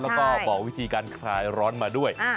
แล้วก็บอกวิธีการคลายร้อนมาด้วย